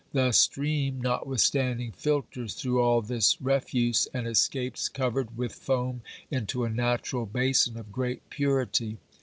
The stream not withstanding filters through all this refuse, and escapes covered with foam into a natural basin of great purity.